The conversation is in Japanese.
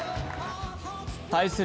対する